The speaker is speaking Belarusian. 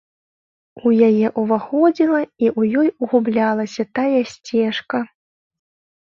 У яе ўваходзіла і ў ёй гублялася тая сцежка.